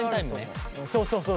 そうそうそう。